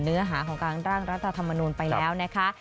เนื้อหาของการร่างรัฐธรรมนูลไปแล้วนะคะ